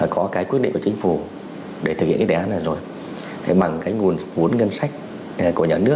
có cái quyết định của chính phủ để thực hiện cái đề án đó